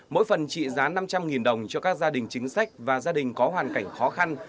mỗi phần trị giá năm trăm linh đồng cho các gia đình chính sách và gia đình có hoàn cảnh khó khăn